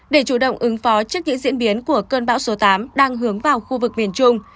để chủ động ứng phó trước những diễn biến của cơn bão số tám đang hướng vào khu vực miền trung